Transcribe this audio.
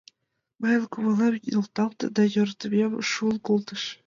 Мыйын кумылем нӧлталте да йӧратымем шуын колтыш.